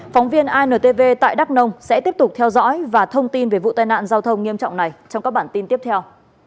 phóng viên intv tại đắk nông sẽ tiếp tục theo dõi và thông tin về vụ tai nạn giao thông nghiêm trọng này trong các bản tin tiếp theo